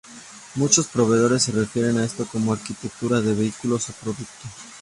Muchos proveedores se refieren a esto como arquitectura de vehículo o producto.